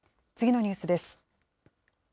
次のニュースです。